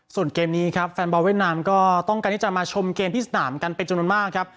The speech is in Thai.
ส่วนเกมนี้ครับแฟนบอลเวียดนามก็ต้องการที่จะมาชมเกมที่สนามกันเป็นจำนวนมากครับ